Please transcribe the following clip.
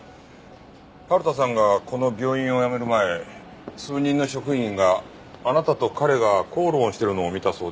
春田さんがこの病院を辞める前数人の職員があなたと彼が口論してるのを見たそうですが。